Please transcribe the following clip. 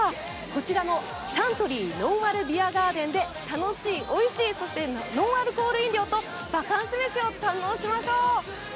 こちらのサントリーのんあるビアガーデンで楽しい、おいしい、そしてノンアルコール飲料とバカンス飯を堪能しましょう。